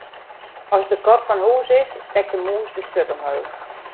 As de kat fan hûs is, stekt de mûs de sturt omheech.